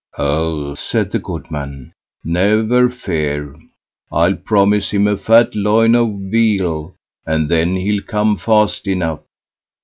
"Oh!" said the goodman, "never fear; I'll promise him a fat loin of veal, and then he'll come fast enough."